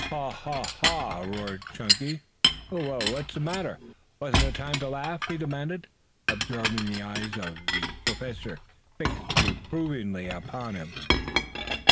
"Haw, haw, haw!" roared Chunky. "Wha what's the matter? Wasn't it time to laugh?" he demanded, observing the eyes of the Professor fixed reprovingly upon him.